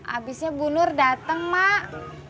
abisnya bu nur dateng mak